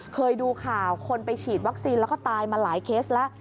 เคยดูข่าวคนไปฉีดวัคซีนแล้วก็ตายมาหลายเคสแล้ว